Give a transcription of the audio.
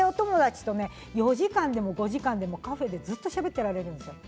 ４時間でも５時間でもカフェでずっとしゃべっていられる。